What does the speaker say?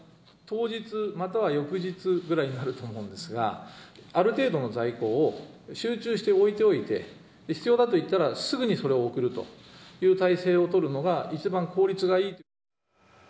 当日または翌日ぐらいになると思うんですが、ある程度の在庫を集中して置いておいて、必要だといったら、すぐにそれを送るという体制を取るのが一番効率がいい。